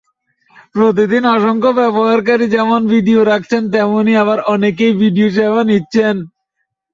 প্রতিদিন অসংখ্য ব্যবহারকারী যেমন ভিডিও রাখছেন, তেমনি আবার অনেকেই ভিডিও সেবা নিচ্ছেন।